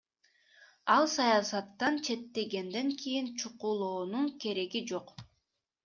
Ал саясаттан четтегенден кийин чукулоонун кереги жок.